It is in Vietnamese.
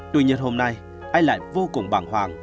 tuy nhiên hôm nay anh lại vô cùng bảng hoảng